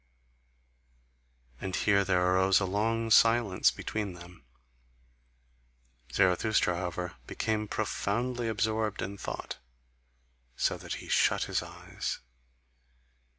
And here there arose a long silence between them: Zarathustra, however, became profoundly absorbed in thought, so that he shut his eyes.